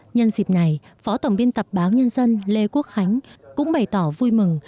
nhân dịp này phó tổng biên tập báo nhân dân lê quốc khánh cũng bày tỏ vui mừng